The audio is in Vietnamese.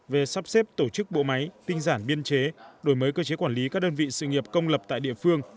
về sắp xếp tổ chức bộ máy tinh giản biên chế đổi mới cơ chế quản lý các đơn vị sự nghiệp công lập tại địa phương